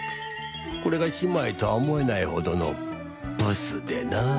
これが姉妹とは思えないほどのブスでなあ